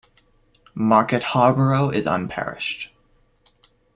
Market Harborough is unparished.